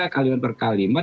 kalimat per kalimat